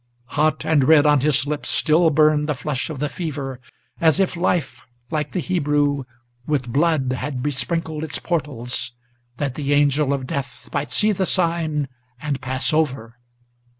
Hot and red on his lips still burned the flush of the fever, As if life, like the Hebrew, with blood had besprinkled its portals, That the Angel of Death might see the sign, and pass over.